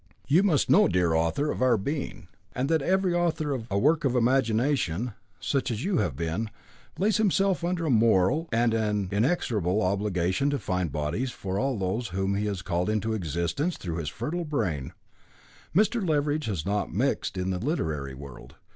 You must know, dear author of our being, that every author of a work of imagination, such as you have been, lays himself under a moral and an inexorable obligation to find bodies for all those whom he has called into existence through his fertile brain. Mr. Leveridge has not mixed in the literary world.